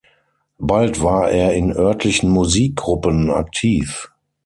Bald war er in örtlichen Musikgruppen aktiv.